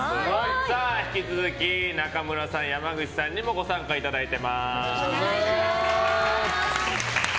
引き続き中村さん、山口さんにもご参加いただいています。